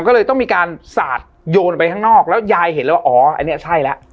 ก็เลยต้องมีการสาดโยนไปข้างนอกแล้วยายเห็นแล้วว่าอ๋ออันนี้ใช่แล้ว